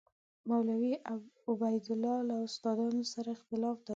مولوي عبیدالله له استادانو سره اختلاف درلود.